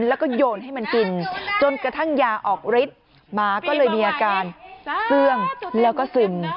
แล้วก็โยนให้มันกินจนกระทั่งยาออกฤทธิ์หมาก็เลยมีอาการเสื้องแล้วก็ซึม